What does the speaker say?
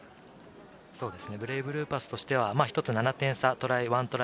ブレイブルーパスとしてはひとつ７点差、１トライ